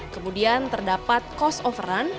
kemudian terdapat cost of run